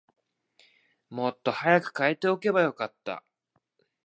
もっと早く替えておけばよかった